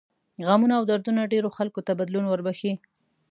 غمونه او دردونه ډېرو خلکو ته بدلون وربښي.